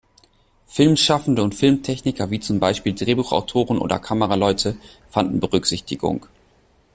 Filmschaffende und Filmtechniker wie zum Beispiel Drehbuchautoren oder Kameraleute fanden Berücksichtigung.